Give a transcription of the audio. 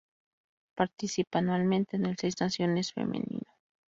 Participa anualmente en el Seis Naciones Femenino.